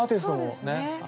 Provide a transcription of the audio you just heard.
そうですね。